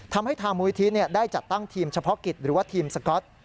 ทำให้ทางมูลิธิได้จัดตั้งทีมเฉพาะกิจหรือว่าทีมสก๊อต